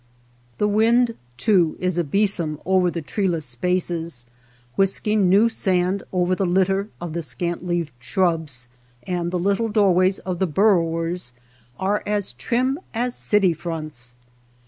The wind, too, is a besom over the tree less spaces, whisking new sand over the lit ter of the scant leaved shrubs, and the little doorways of the burrowers are as trim as city fronts.